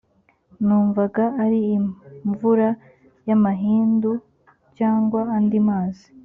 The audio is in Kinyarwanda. numvaga ari imvura y’amahindu cyangwa andi mazi